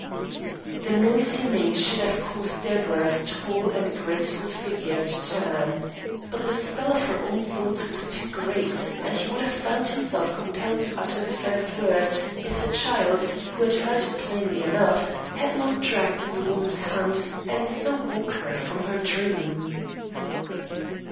The noise he made should have caused Deborah's tall and graceful figure to turn. But the spell of her own thoughts was too great; and he would have found himself compelled to utter the first word, if the child, who had heard him plainly enough, had not dragged at the woman's hand and so woke her from her dream.